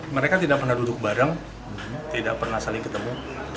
mereka tidak pernah duduk bareng tidak pernah saling ketemu